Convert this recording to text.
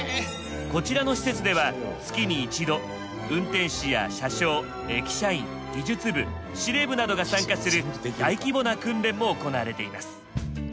こちらの施設では月に一度運転士や車掌駅社員技術部指令部などが参加する大規模な訓練も行われています。